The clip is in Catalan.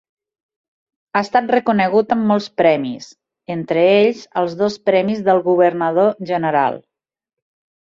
Ha estat reconegut amb molts premis, entre ells, els dos Premis del Governador General.